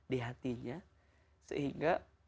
di hatinya sehingga